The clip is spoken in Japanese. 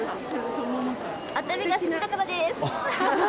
熱海が好きだからです！